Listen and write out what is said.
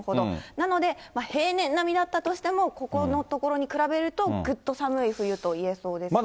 なので平年並みだったとしても、ここのところに比べると、ぐっと寒い冬といえそうですね。